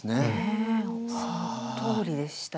そのとおりでしたね。